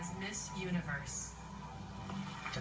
ข้อมูลเข้ามาดูครับ